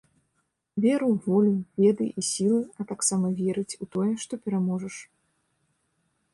Веру, волю, веды і сілы, а таксама верыць у тое, што пераможаш.